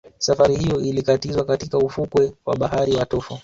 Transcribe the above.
Safari hiyo ilikatizwa katika ufukwe wa bahari wa Tofo